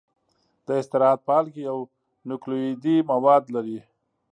د استراحت په حال کې یو نوکلوئیدي مواد لري.